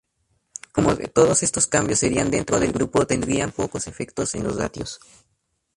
Como todos estos cambios serían dentro del grupo tendrían pocos efectos en los ratios.